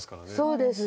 そうです。